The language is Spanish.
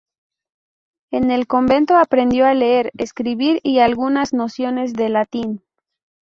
En el convento aprendió a leer, escribir y algunas nociones de latín.